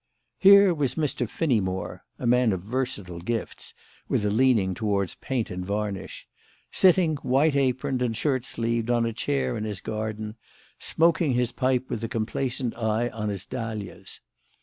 Here was Mr. Finneymore (a man of versatile gifts, with a leaning towards paint and varnish) sitting, white aproned and shirt sleeved, on a chair in his garden, smoking his pipe with a complacent eye on his dahlias.